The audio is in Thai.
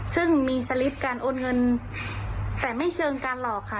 ซึ่งมีสลิปการโอนเงินแต่ไม่เชิงการหลอกค่ะ